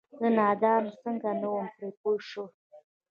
زه نادانه څنګه نه وم پرې پوه شوې؟!